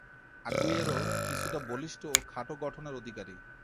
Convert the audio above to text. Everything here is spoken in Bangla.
আগুয়েরো কিছুটা বলিষ্ঠ এবং খাটো গঠনের অধিকারী।